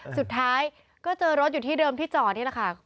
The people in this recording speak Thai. สุดท้ายก็เจอรถอยู่ที่เดิมที่จอดนี่แหละค่ะ